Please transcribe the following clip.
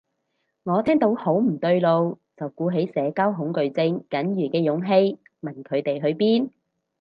我聽到好唔對路，就鼓起社交恐懼症僅餘嘅勇氣問佢哋去邊